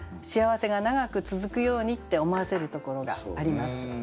幸せが長く続くようにって思わせるところがあります。